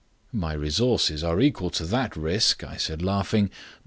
"My resources are equal to that risk," I said, laughing.